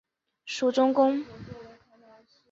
属恭州。